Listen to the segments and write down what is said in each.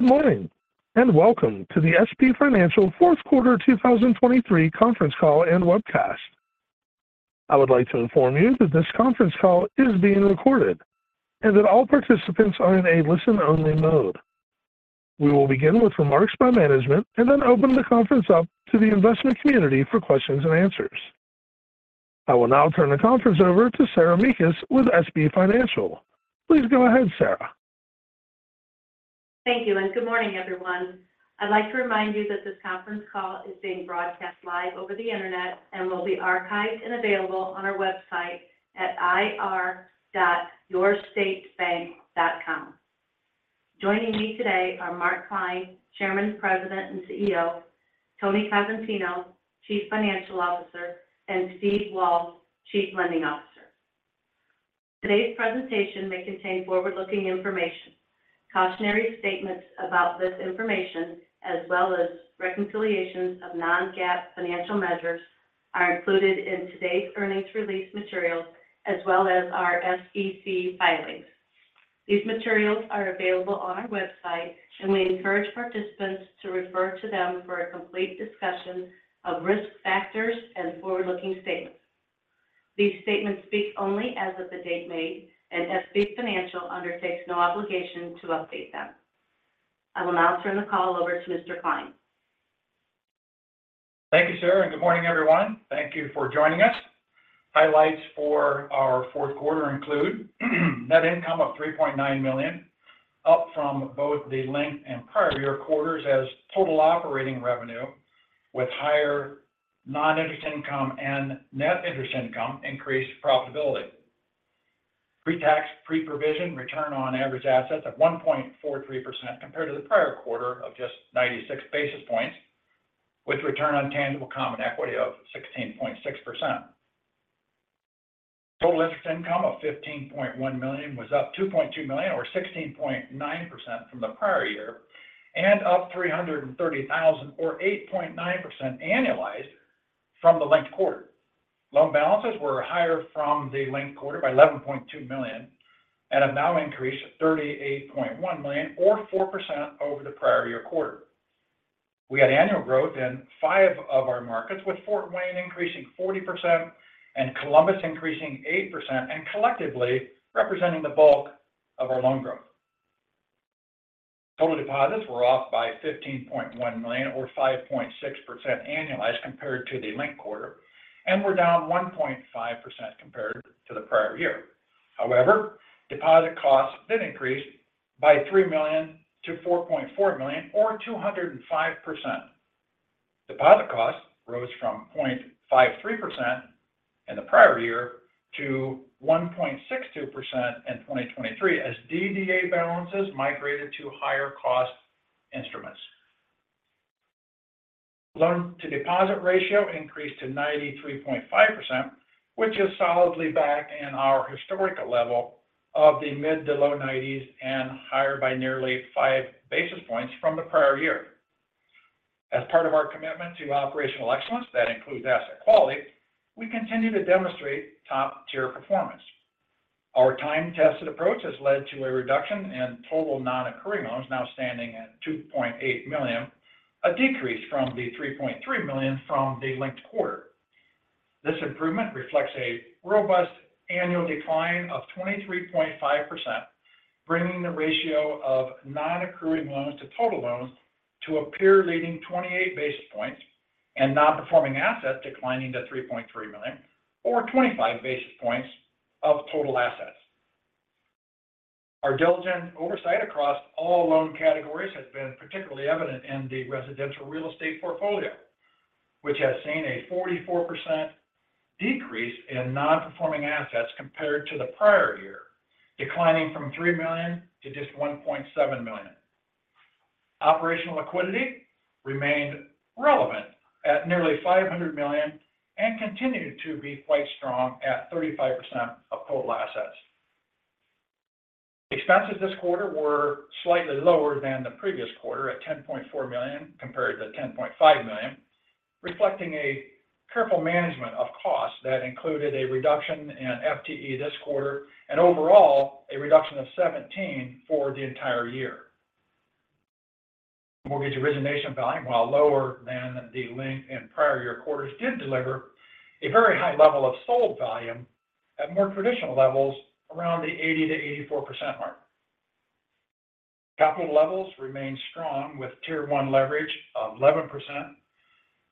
Good morning, and welcome to the SB Financial Fourth Quarter 2023 conference call and webcast. I would like to inform you that this conference call is being recorded and that all participants are in a listen-only mode. We will begin with remarks by management and then open the conference up to the investment community for questions and answers. I will now turn the conference over to Sarah Mekus with SB Financial. Please go ahead, Sarah. Thank you, and good morning, everyone. I'd like to remind you that this conference call is being broadcast live over the internet and will be archived and available on our website at ir.yourstatebank.com. Joining me today are Mark Klein, Chairman, President, and CEO, Tony Cosentino, Chief Financial Officer, and Steve Walz, Chief Lending Officer. Today's presentation may contain forward-looking information. Cautionary statements about this information, as well as reconciliations of non-GAAP financial measures, are included in today's earnings release materials, as well as our SEC filings. These materials are available on our website, and we encourage participants to refer to them for a complete discussion of risk factors and forward-looking statements. These statements speak only as of the date made, and SB Financial undertakes no obligation to update them. I will now turn the call over to Mr. Klein. Thank you, Sarah, and good morning, everyone. Thank you for joining us. Highlights for our fourth quarter include net income of $3.9 million, up from both the linked and prior year quarters as total operating revenue, with higher non-interest income and net interest income, increased profitability. Pre-tax, pre-provision return on average assets of 1.43% compared to the prior quarter of just 96 basis points, with return on tangible common equity of 16.6%. Total interest income of $15.1 million was up $2.2 million, or 16.9% from the prior year, and up $330,000 or 8.9% annualized from the linked quarter. Loan balances were higher from the linked quarter by $11.2 million and have now increased to $38.1 million or 4% over the prior year quarter. We had annual growth in 5 of our markets, with Fort Wayne increasing 40% and Columbus increasing 8%, and collectively representing the bulk of our loan growth. Total deposits were off by $15.1 million, or 5.6% annualized compared to the linked quarter, and were down 1.5% compared to the prior year. However, deposit costs did increase by $3 million to $4.4 million, or 205%. Deposit costs rose from 0.53% in the prior year to 1.62% in 2023 as DDA balances migrated to higher cost instruments. Loan-to-deposit ratio increased to 93.5%, which is solidly back in our historical level of the mid- to low-90s and higher by nearly 5 basis points from the prior year. As part of our commitment to operational excellence, that includes asset quality, we continue to demonstrate top-tier performance. Our time-tested approach has led to a reduction in total non-accruing loans, now standing at $2.8 million, a decrease from the $3.3 million from the linked quarter. This improvement reflects a robust annual decline of 23.5%, bringing the ratio of non-accruing loans to total loans to a peer leading 28 basis points and non-performing assets, declining to $3.3 million, or 25 basis points of total assets. Our diligent oversight across all loan categories has been particularly evident in the residential real estate portfolio, which has seen a 44% decrease in non-performing assets compared to the prior year, declining from $3 million to just $1.7 million. Operational liquidity remained relevant at nearly $500 million and continued to be quite strong at 35% of total assets. Expenses this quarter were slightly lower than the previous quarter at $10.4 million, compared to $10.5 million, reflecting a careful management of costs that included a reduction in FTE this quarter and overall, a reduction of 17 for the entire year. Mortgage origination volume, while lower than thelinked and prior year quarters, did deliver a very high level of sold volume at more traditional levels around the 80%-84% mark. Capital levels remain strong, with Tier 1 leverage of 11%,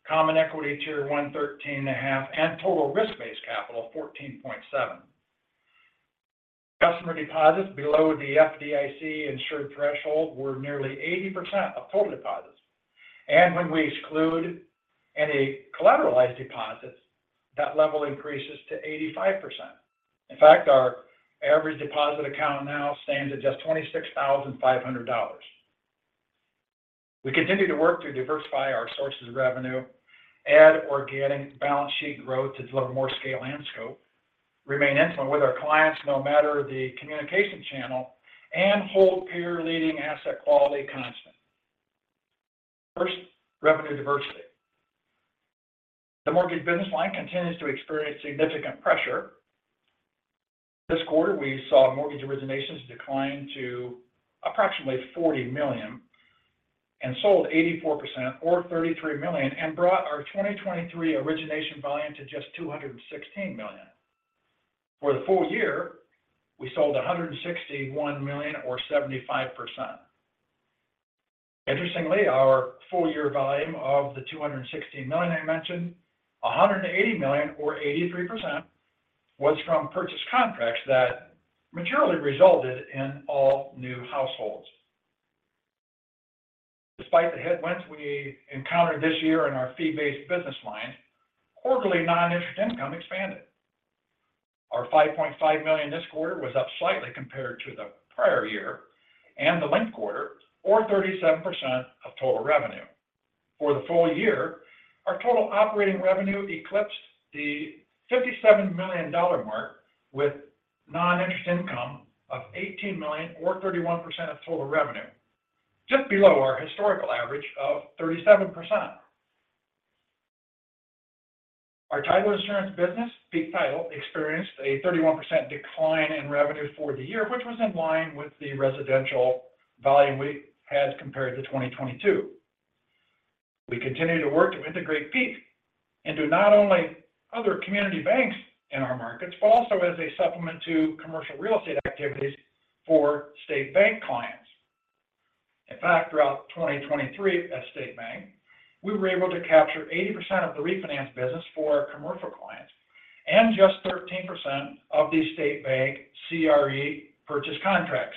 Common Equity Tier 1 13.5, and total risk-based capital of 14.7. Customer deposits below the FDIC insured threshold were nearly 80% of total deposits, and when we exclude any collateralized deposits, that level increases to 85%. In fact, our average deposit account now stands at just $26,500. We continue to work to diversify our sources of revenue, add organic balance sheet growth to deliver more scale and scope, remain intimate with our clients no matter the communication channel, and hold peer-leading asset quality constant. First, revenue diversity.... The mortgage business line continues to experience significant pressure. This quarter, we saw mortgage originations decline to approximately $40 million and sold 84% or $33 million, and brought our 2023 origination volume to just $216 million. For the full year, we sold $161 million or 75%. Interestingly, our full year volume of the 216 million I mentioned, $180 million or 83%, was from purchase contracts that materially resulted in all new households. Despite the headwinds we encountered this year in our fee-based business line, quarterly non-interest income expanded. Our $5.5 million this quarter was up slightly compared to the prior year and the linked quarter, or 37% of total revenue. For the full year, our total operating revenue eclipsed the $57 million mark, with non-interest income of $18 million or 31% of total revenue, just below our historical average of 37%. Our title insurance business, Peak Title, experienced a 31% decline in revenue for the year, which was in line with the residential volume we had compared to 2022. We continue to work to integrate Peak into not only other community banks in our markets, but also as a supplement to commercial real estate activities for State Bank clients. In fact, throughout 2023, at State Bank, we were able to capture 80% of the refinance business for our commercial clients and just 13% of the State Bank CRE purchase contracts.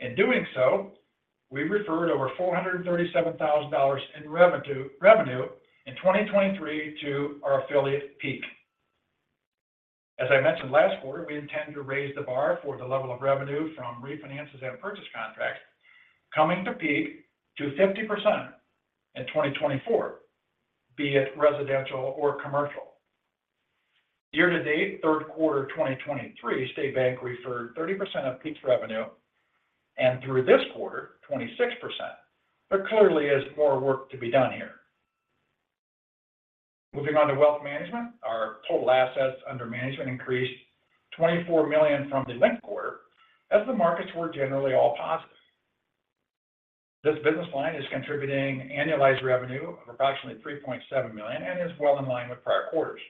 In doing so, we referred over $437,000 in revenue in 2023 to our affiliate, Peak. As I mentioned last quarter, we intend to raise the bar for the level of revenue from refinances and purchase contracts, coming to Peak to 50% in 2024, be it residential or commercial. Year to date, third quarter 2023, State Bank referred 30% of Peak's revenue, and through this quarter, 26%. There clearly is more work to be done here. Moving on to wealth management, our total assets under management increased $24 million from the linked quarter as the markets were generally all positive. This business line is contributing annualized revenue of approximately $3.7 million and is well in line with prior quarters.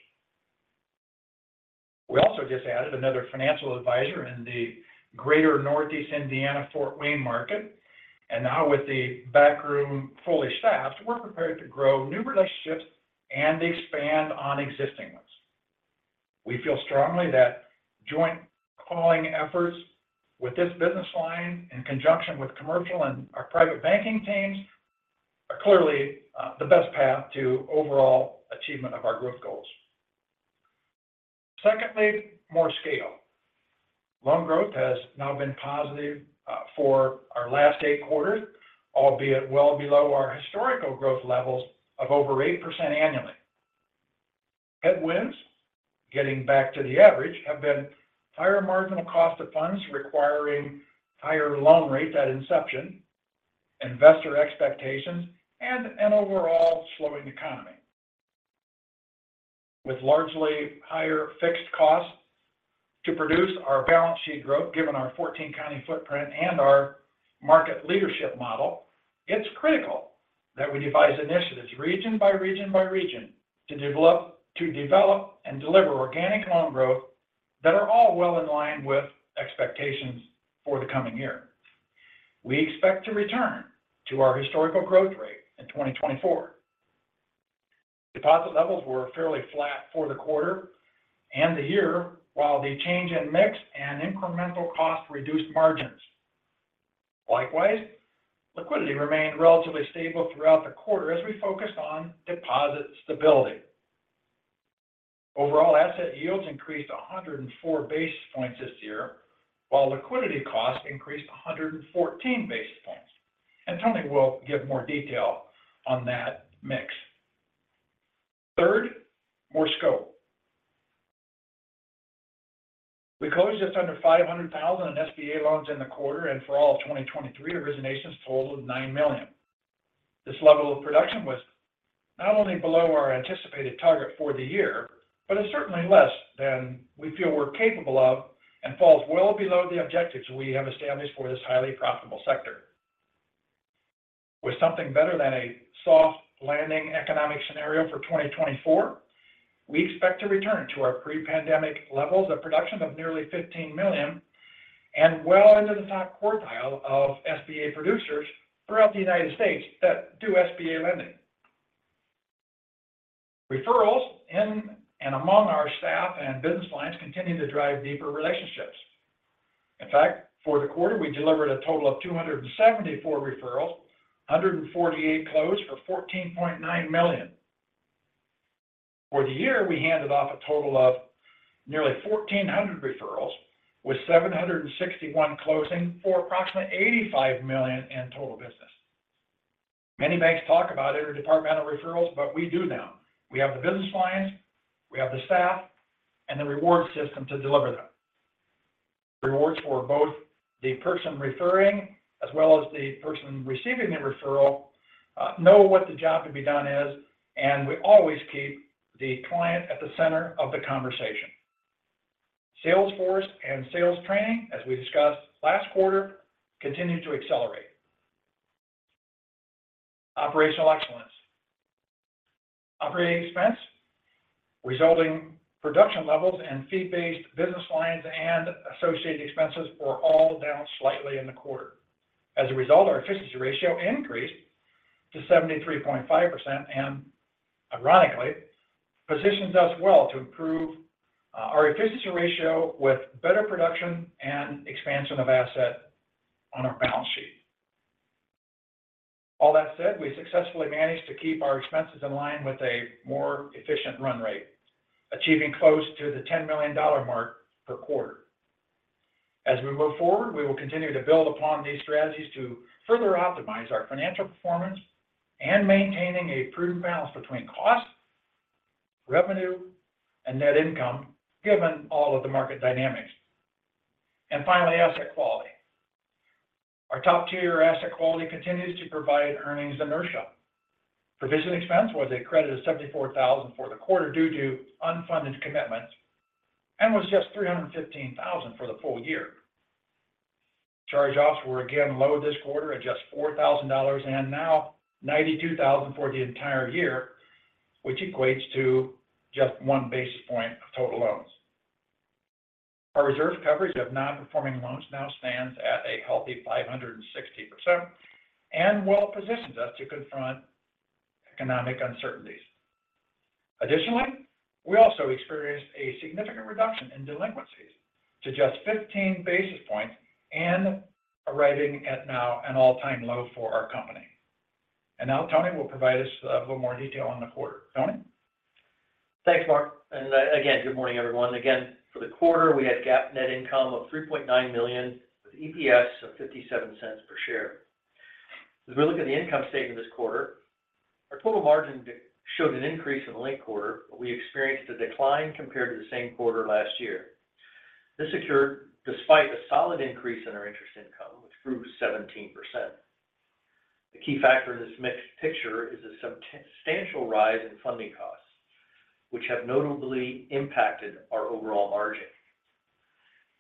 We also just added another financial advisor in the Greater Northeast Indiana, Fort Wayne market, and now with the backroom fully staffed, we're prepared to grow new relationships and expand on existing ones. We feel strongly that joint calling efforts with this business line, in conjunction with commercial and our private banking teams, are clearly the best path to overall achievement of our growth goals. Secondly, more scale. Loan growth has now been positive for our last 8 quarters, albeit well below our historical growth levels of over 8% annually. Headwinds, getting back to the average, have been higher marginal cost of funds, requiring higher loan rates at inception, investor expectations, and an overall slowing economy. With largely higher fixed costs to produce our balance sheet growth, given our 14-county footprint and our market leadership model, it's critical that we devise initiatives region by region by region, to develop and deliver organic loan growth that are all well in line with expectations for the coming year. We expect to return to our historical growth rate in 2024. Deposit levels were fairly flat for the quarter and the year, while the change in mix and incremental costs reduced margins. Likewise, liquidity remained relatively stable throughout the quarter as we focused on deposit stability. Overall, asset yields increased 104 basis points this year, while liquidity costs increased 114 basis points. Tony will give more detail on that mix. Third, more scope. We closed just under $500,000 in SBA loans in the quarter, and for all of 2023, originations totaled $9 million. This level of production was not only below our anticipated target for the year, but is certainly less than we feel we're capable of and falls well below the objectives we have established for this highly profitable sector. With something better than a soft landing economic scenario for 2024, we expect to return to our pre-pandemic levels of production of nearly $15 million and well into the top quartile of SBA producers throughout the United States that do SBA lending. Referrals in and among our staff and business lines continue to drive deeper relationships. In fact, for the quarter, we delivered a total of 274 referrals, 148 closed for $14.9 million. For the year, we handed off a total of nearly 1,400 referrals, with 761 closing for approximately $85 million in total business. Many banks talk about interdepartmental referrals, but we do them. We have the business lines, we have the staff, and the reward system to deliver them. Rewards for both the person referring, as well as the person receiving the referral, know what the job to be done is, and we always keep the client at the center of the conversation. Salesforce and sales training, as we discussed last quarter, continued to accelerate. Operational excellence. Operating expense, resulting production levels and fee-based business lines and associated expenses were all down slightly in the quarter. As a result, our efficiency ratio increased to 73.5% and ironically, positions us well to improve our efficiency ratio with better production and expansion of asset on our balance sheet. All that said, we successfully managed to keep our expenses in line with a more efficient run rate, achieving close to the $10 million mark per quarter. As we move forward, we will continue to build upon these strategies to further optimize our financial performance and maintaining a prudent balance between cost, revenue, and net income, given all of the market dynamics. And finally, asset quality. Our top-tier asset quality continues to provide earnings inertia. Provision expense was a credit of $74 for the quarter due to unfunded commitments and was just $315,000 for the full year. Charge-offs were again low this quarter at just $4,000 and now $92,000 for the entire year, which equates to just one basis point of total loans. Our reserve coverage of non-performing loans now stands at a healthy 560% and well positions us to confront economic uncertainties. Additionally, we also experienced a significant reduction in delinquencies to just 15 basis points and arriving at now an all-time low for our company. Now, Tony will provide us a little more detail on the quarter. Tony? Thanks, Mark, and again, good morning, everyone. Again, for the quarter, we had GAAP net income of $3.9 million, with EPS of $0.57 per share. As we look at the income statement this quarter, our total margin showed an increase in the linked quarter, but we experienced a decline compared to the same quarter last year. This occurred despite a solid increase in our interest income, which grew 17%. The key factor in this mixed picture is a substantial rise in funding costs, which have notably impacted our overall margin.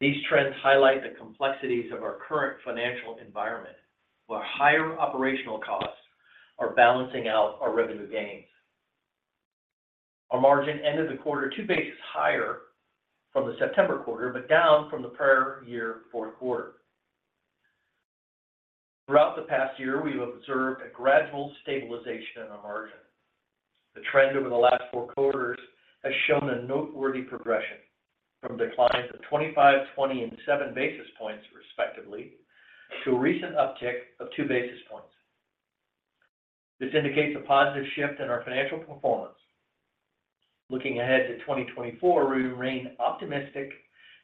These trends highlight the complexities of our current financial environment, where higher operational costs are balancing out our revenue gains. Our margin ended the quarter 2 basis points higher from the September quarter, but down from the prior year fourth quarter. Throughout the past year, we've observed a gradual stabilization in our margin. The trend over the last four quarters has shown a noteworthy progression from declines of 25, 20, and 7 basis points, respectively, to a recent uptick of 2 basis points. This indicates a positive shift in our financial performance. Looking ahead to 2024, we remain optimistic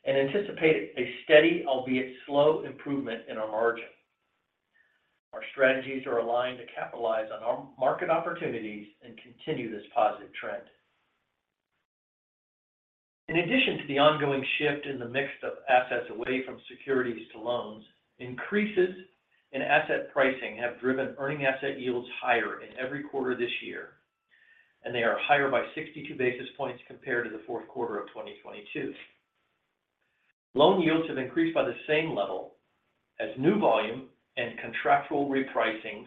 and anticipate a steady, albeit slow, improvement in our margin. Our strategies are aligned to capitalize on our market opportunities and continue this positive trend. In addition to the ongoing shift in the mix of assets away from securities to loans, increases in asset pricing have driven earning asset yields higher in every quarter this year, and they are higher by 62 basis points compared to the fourth quarter of 2022. Loan yields have increased by the same level as new volume and contractual repricings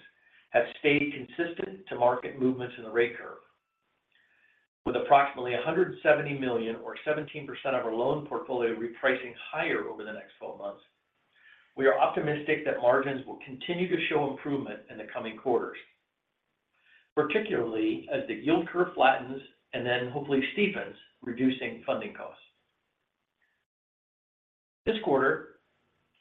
have stayed consistent to market movements in the rate curve. With approximately $170 million or 17% of our loan portfolio repricing higher over the next 12 months, we are optimistic that margins will continue to show improvement in the coming quarters, particularly as the yield curve flattens and then hopefully steepens, reducing funding costs. This quarter,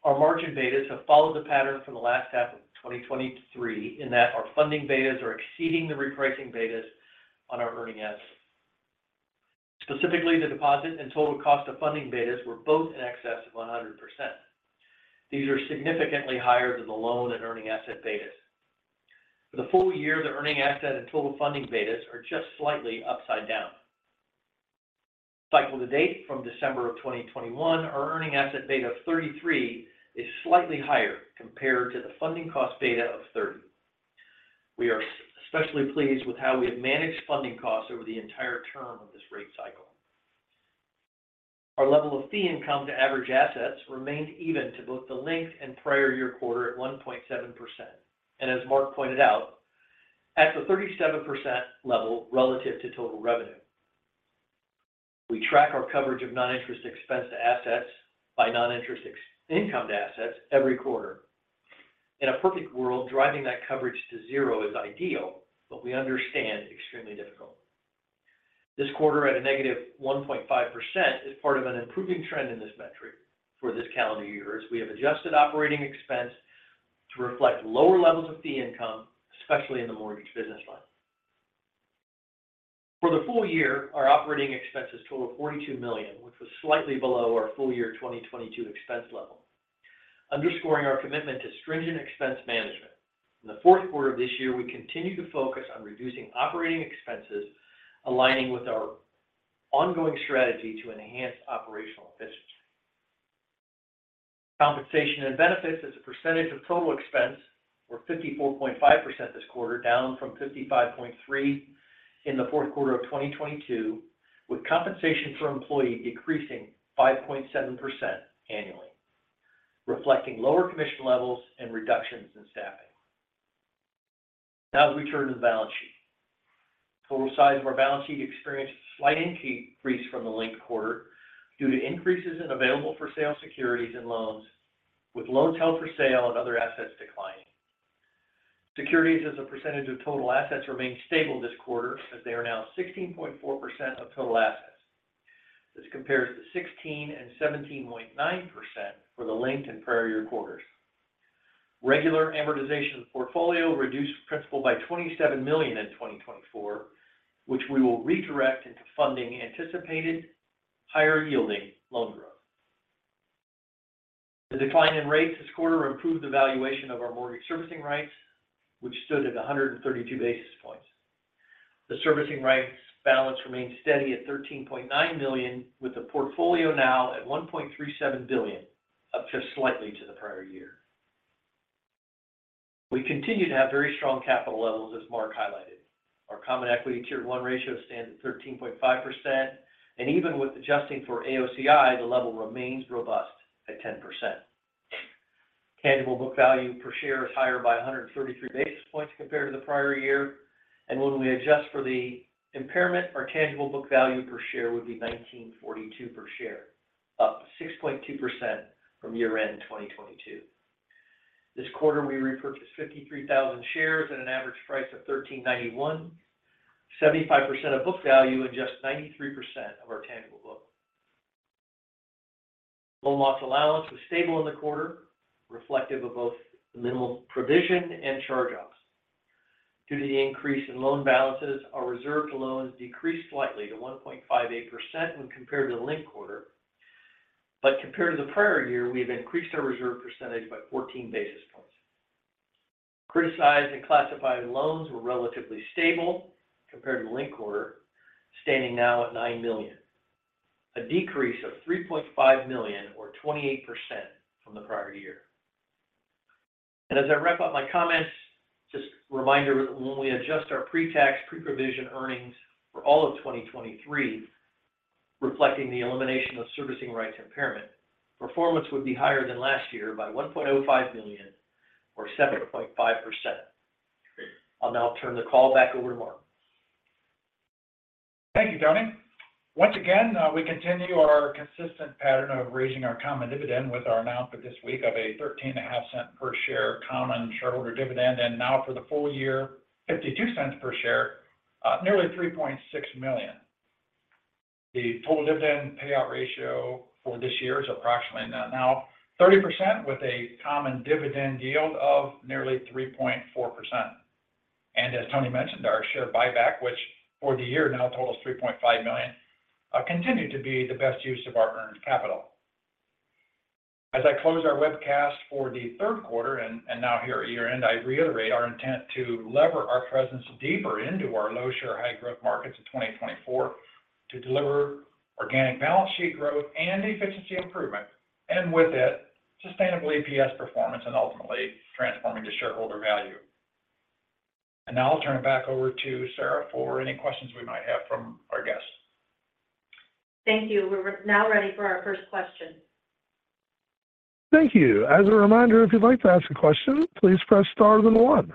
our margin betas have followed the pattern for the last half of 2023, in that our funding betas are exceeding the repricing betas on our earning assets. Specifically, the deposit and total cost of funding betas were both in excess of 100%. These are significantly higher than the loan and earning asset betas. For the full year, the earning asset and total funding betas are just slightly upside down. Cycle to date from December of 2021, our earning asset beta of 33 is slightly higher compared to the funding cost beta of 30. We are especially pleased with how we have managed funding costs over the entire term of this rate cycle. Our level of fee income to average assets remained even to both the linked and prior year quarter at 1.7%, and as Mark pointed out, at the 37% level relative to total revenue. We track our coverage of non-interest expense to assets by non-interest income to assets every quarter. In a perfect world, driving that coverage to zero is ideal, but we understand extremely difficult. This quarter, at a negative 1.5%, is part of an improving trend in this metric for this calendar year, as we have adjusted operating expense to reflect lower levels of fee income, especially in the mortgage business line. For the full year, our operating expenses total $42 million, which was slightly below our full year 2022 expense total, underscoring our commitment to stringent expense management. In the fourth quarter of this year, we continued to focus on reducing operating expenses, aligning with our ongoing strategy to enhance operational efficiency. Compensation and benefits as a percentage of total expense were 54.5% this quarter, down from 55.3% in the fourth quarter of 2022, with compensation for employee decreasing 5.7% annually, reflecting lower commission levels and reductions in staffing. Now, as we turn to the balance sheet. Total size of our balance sheet experienced a slight increase from the linked quarter due to increases in available-for-sale securities and loans, with loans held for sale and other assets declining. Securities as a percentage of total assets remained stable this quarter, as they are now 16.4% of total assets. This compares to 16% and 17.9% for the linked and prior year quarters. Regular amortization portfolio reduced principal by $27 million in 2024, which we will redirect into funding anticipated higher yielding loan growth. The decline in rates this quarter improved the valuation of our mortgage servicing rights, which stood at 132 basis points. The servicing rights balance remained steady at $13.9 million, with the portfolio now at $1.37 billion, up just slightly to the prior year. We continue to have very strong capital levels, as Mark highlighted. Our Common Equity Tier One ratio stands at 13.5%, and even with adjusting for AOCI, the level remains robust at 10%. Tangible book value per share is higher by 133 basis points compared to the prior year, and when we adjust for the impairment, our tangible book value per share would be $19.42 per share, up 6.2% from year-end 2022. This quarter, we repurchased 53,000 shares at an average price of $13.91, 75% of book value, and just 93% of our tangible book. Loan loss allowance was stable in the quarter, reflective of both minimal provision and charge-offs. Due to the increase in loan balances, our reserved loans decreased slightly to 1.58% when compared to the linked quarter. But compared to the prior year, we've increased our reserve percentage by 14 basis points. Criticized and classified loans were relatively stable compared to linked quarter, standing now at $9 million, a decrease of $3.5 million, or 28% from the prior year. As I wrap up my comments, just a reminder that when we adjust our pre-tax, pre-provision earnings for all of 2023, reflecting the elimination of servicing rights impairment, performance would be higher than last year by $1.05 million, or 7.5%. I'll now turn the call back over to Mark. Thank you, Tony. Once again, we continue our consistent pattern of raising our common dividend with our announcement this week of a $0.135 per share common shareholder dividend, and now for the full year, $0.52 per share, nearly $3.6 million. The total dividend payout ratio for this year is approximately now 30%, with a common dividend yield of nearly 3.4%. And as Tony mentioned, our share buyback, which for the year now totals $3.5 million, continued to be the best use of our earned capital. As I close our webcast for the third quarter and now here at year-end, I reiterate our intent to leverage our presence deeper into our low share, high-growth markets in 2024 to deliver organic balance sheet growth and efficiency improvement, and with it, sustainable EPS performance and ultimately transforming to shareholder value. Now I'll turn it back over to Sarah for any questions we might have from our guests. Thank you. We're now ready for our first question. Thank you. As a reminder, if you'd like to ask a question, please press Star then One.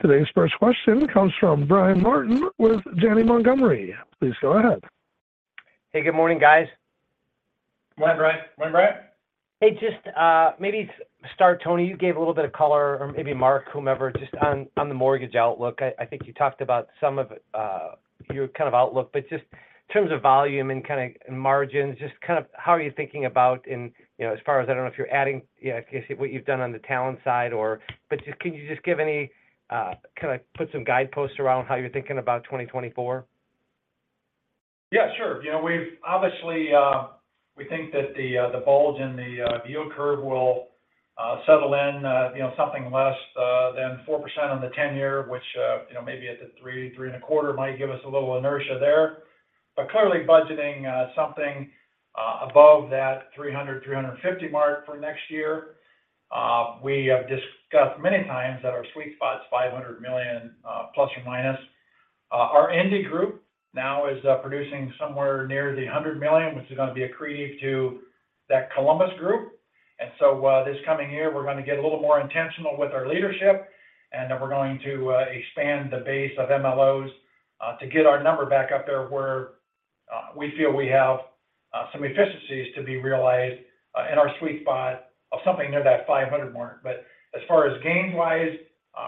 Today's first question comes from Brian Martin with Janney Montgomery. Please go ahead. Hey, good morning, guys. Hi, Brian. Morning, Brian. Hey, just maybe start, Tony. You gave a little bit of color, or maybe Mark, whomever, just on the mortgage outlook. I think you talked about some of it, your kind of outlook, but just in terms of volume and kind of margins, just kind of how are you thinking about in, you know, as far as I don't know if you're adding, yeah, if you see what you've done on the talent side or. But just can you just give any kind of put some guideposts around how you're thinking about 2024? Yeah, sure. You know, we've obviously we think that the bulge in the yield curve will settle in, you know, something less than 4% on the ten-year, which, you know, maybe at the 3%-3.25% might give us a little inertia there. But clearly budgeting something above that 300-350 mark for next year. We have discussed many times that our sweet spot is $500 million ±. Our Indy group now is producing somewhere near the $100 million, which is going to be accretive to that Columbus group. And so, this coming year, we're going to get a little more intentional with our leadership, and then we're going to expand the base of MLOs to get our number back up there where we feel we have some efficiencies to be realized in our sweet spot of something near that 500 mark. But as far as gains-wise,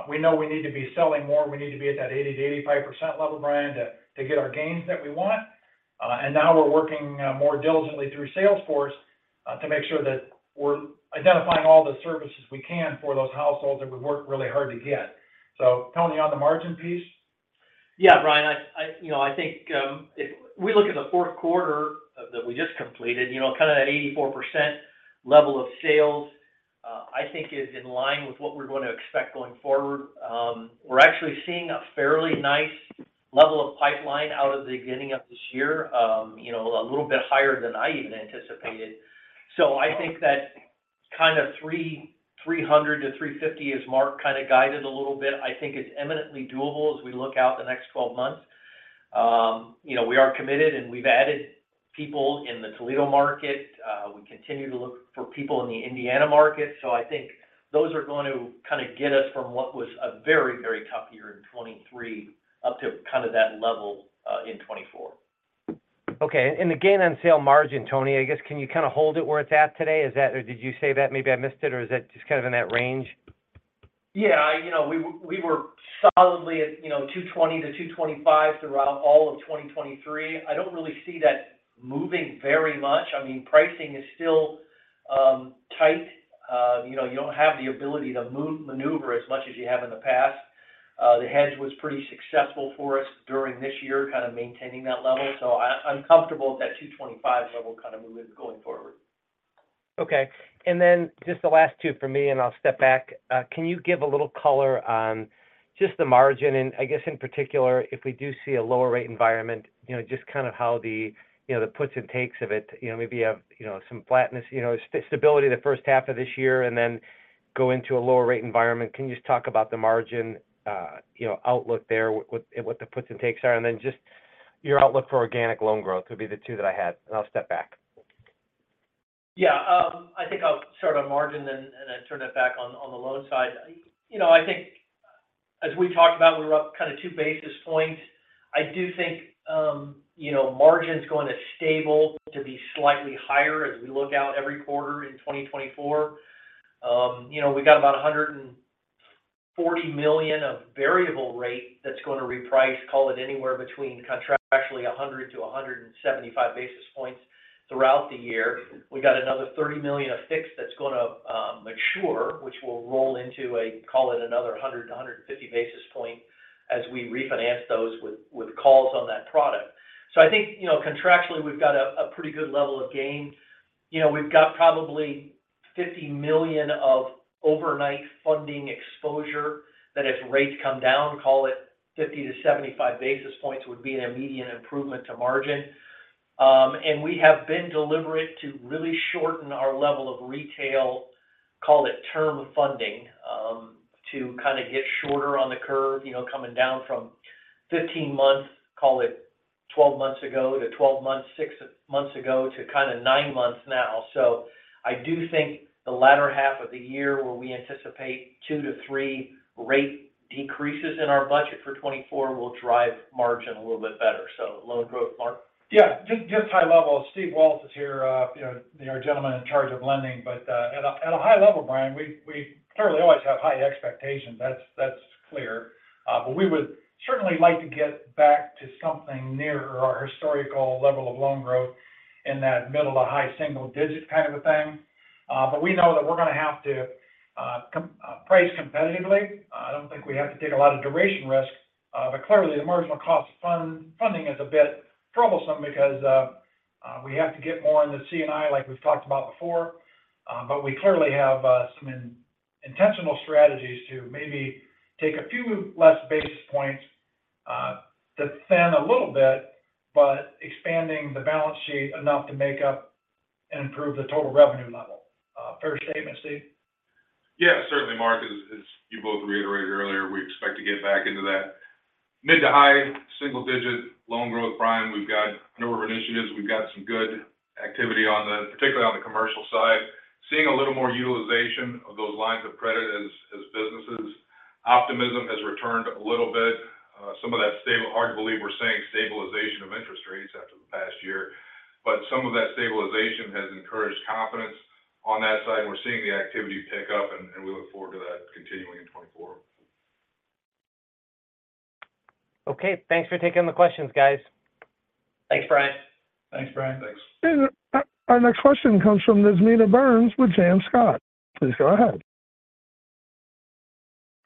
we know we need to be selling more. We need to be at that 80%-85% level, Brian, to get our gains that we want. And now we're working more diligently through Salesforce to make sure that we're identifying all the services we can for those households that we've worked really hard to get. So Tony, on the margin piece? Yeah, Brian, I, you know, I think, if we look at the fourth quarter that we just completed, you know, kind of that 84% level of sales, I think is in line with what we're going to expect going forward. We're actually seeing a fairly nice level of pipeline out of the beginning of this year, you know, a little bit higher than I even anticipated. So I think that kind of 300-350, as Mark kind of guided a little bit, I think is eminently doable as we look out the next 12 months. You know, we are committed, and we've added people in the Toledo market. We continue to look for people in the Indiana market, so I think those are going to kind of get us from what was a very, very tough year in 2023 up to kind of that level in 2024. Okay. And the gain on sale margin, Tony, I guess, can you kind of hold it where it's at today? Is that or did you say that maybe I missed it, or is it just kind of in that range? Yeah, you know, we were, we were solidly at, you know, 2.20-2.25 throughout all of 2023. I don't really see that moving very much. I mean, pricing is still tight. You know, you don't have the ability to maneuver as much as you have in the past. The hedge was pretty successful for us during this year, kind of maintaining that level. So I'm comfortable with that 2.25 level kind of moving going forward. Okay. And then just the last two for me, and I'll step back. Can you give a little color on just the margin? And I guess, in particular, if we do see a lower rate environment, you know, just kind of how the, you know, the puts and takes of it. You know, maybe have, you know, some flatness, you know, stability the first half of this year and then go into a lower rate environment. Can you just talk about the margin, you know, outlook there, what, what the puts and takes are, and then just your outlook for organic loan growth would be the two that I had, and I'll step back. Yeah, I think I'll start on margin, and then, and I turn it back on, on the loan side. You know, I think as we talked about, we were up kind of 2 basis points. I do think, you know, margin's going to stabilize to be slightly higher as we look out every quarter in 2024. You know, we got about $140 million of variable rate that's going to reprice, call it anywhere between contractually 100-175 basis points throughout the year. We got another $30 million of fixed that's gonna mature, which will roll into a, call it, another 100-150 basis points as we refinance those with calls on that product. So I think, you know, contractually, we've got a pretty good level of gain. You know, we've got probably $50 million of overnight funding exposure that if rates come down, call it 50-75 basis points, would be an immediate improvement to margin. And we have been deliberate to really shorten our level of retail, call it term funding, to kind of get shorter on the curve, you know, coming down from 15 months, call it 12 months ago to 12 months, six months ago, to kind of 9 months now. So I do think the latter half of the year, where we anticipate 2-3 rate decreases in our budget for 2024, will drive margin a little bit better. So loan growth, Mark? Yeah, just high level. Steve Walz is here, you know, our gentleman in charge of lending. But at a high level, Brian, we certainly always have high expectations. That's clear. But we would certainly like to get back to something near our historical level of loan growth in that middle- to high-single-digit kind of a thing. But we know that we're gonna have to compete, price competitively. I don't think we have to take a lot of duration risk, but clearly the marginal cost funding is a bit troublesome because we have to get more in the C&I, like we've talked about before. But we clearly have some intentional strategies to maybe take a few less basis points to thin a little bit, but expanding the balance sheet enough to make up and improve the total revenue level. Fair statement, Steve? Yeah, certainly, Mark, as you both reiterated earlier, we expect to get back into that mid- to high-single-digit loan growth. Brian, we've got a number of initiatives. We've got some good activity on the particularly on the commercial side, seeing a little more utilization of those lines of credit as businesses. Optimism has returned a little bit. Some of that stabilization, hard to believe we're saying stabilization of interest rates after the past year, but some of that stabilization has encouraged confidence on that side, and we're seeing the activity pick up, and we look forward to that continuing in 2024. Okay. Thanks for taking the questions, guys. Thanks, Brian. Thanks, Brian. Thanks. Our next question comes from Miss Nina Burns with Janney Montgomery Scott. Please go ahead.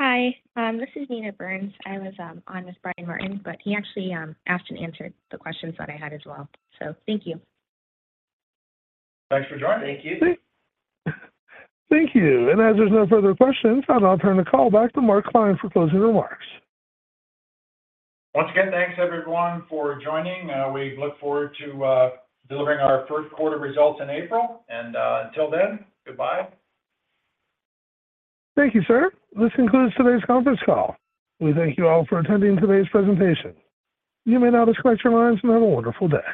Hi, this is Nina Burns. I was on with Brian Martin, but he actually asked and answered the questions that I had as well. So thank you. Thanks for joining. Thank you. Thank you. As there's no further questions, I'll now turn the call back to Mark Klein for closing remarks. Once again, thanks, everyone, for joining. We look forward to delivering our first quarter results in April, and until then, goodbye. Thank you, sir. This concludes today's conference call. We thank you all for attending today's presentation. You may now disconnect your lines and have a wonderful day.